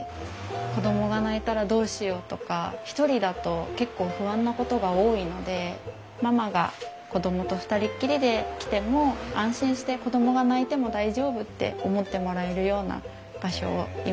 子供が泣いたらどうしようとか一人だと結構不安なことが多いのでママが子供と二人っきりで来ても安心して子供が泣いても大丈夫って思ってもらえるような場所をイメージして作りました。